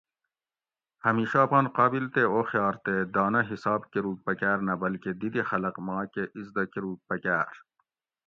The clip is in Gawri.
ھمیشہ اپان قابل تے اوخیار تے دانہ حساب کروگ پکاۤر نہ بلکہ دی دی خلق ما کہ اِزدہ کۤروگ پکاۤر